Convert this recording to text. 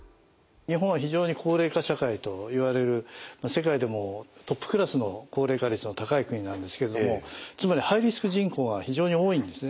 日本は非常に高齢化社会といわれる世界でもトップクラスの高齢化率の高い国なんですけれどもつまりハイリスク人口が非常に多いんですね。